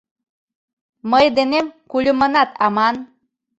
Мый денем кульымынат аман!